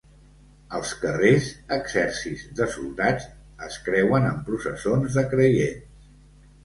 Als carrers, exèrcits de soldats es creuen amb processons de creients.